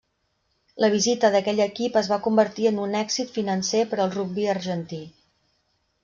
La visita d'aquell equip es va convertir en un èxit financer per al rugbi argentí.